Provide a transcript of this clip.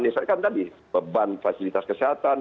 misalkan tadi beban fasilitas kesehatan